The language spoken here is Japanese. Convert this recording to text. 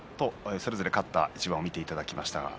それぞれ勝った一番を見ていただきました。